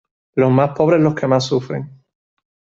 Los más pobres, los que más sufren.